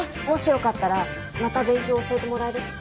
もしよかったらまた勉強教えてもらえる？